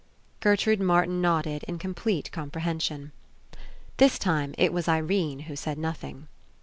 Gertrude Martin nodded in complete comprehension. 59 PASSING This time it was Irene who said noth ing.